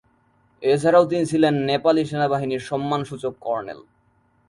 এছাড়াও তিনি ছিলেন নেপালি সেনাবাহিনীর সম্মানসূচক কর্নেল।